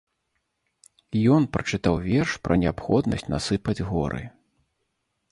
Ён прачытаў верш пра неабходнасць насыпаць горы.